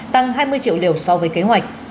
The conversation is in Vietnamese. tăng hai mươi triệu liều so với kế hoạch